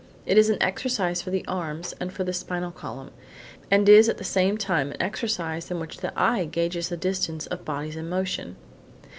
It is an exercise for the arms and for the spinal column, and is at the same time an exercise in which the eye gauges the distance of bodies in motion.